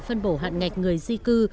phân bổ hạn ngạch người di cư